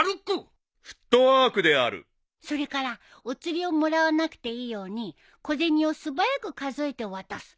それからお釣りをもらわなくていいように小銭を素早く数えて渡す。